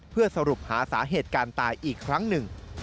เพื่อสรุปหาสาเหตุการตายอีกครั้งหนึ่ง